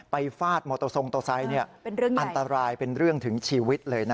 ฟาดมอเตอร์ทรงโตไซค์อันตรายเป็นเรื่องถึงชีวิตเลยนะ